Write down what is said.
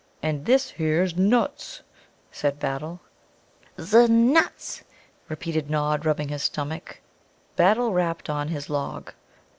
"And this here's nuts," said Battle. "'Znuts!" repeated Nod, rubbing his stomach. Battle rapped on his log.